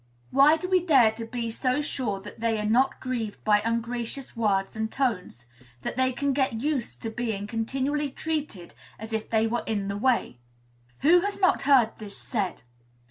Why do we dare to be so sure that they are not grieved by ungracious words and tones? that they can get used to being continually treated as if they were "in the way"? Who has not heard this said?